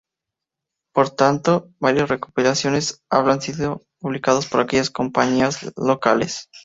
Por tanto, varias recopilaciones habían sido publicadas por aquellas compañías locales.